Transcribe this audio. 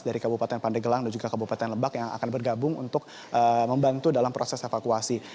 dari kabupaten pandeglang dan juga kabupaten lebak yang akan bergabung untuk membantu dalam proses evakuasi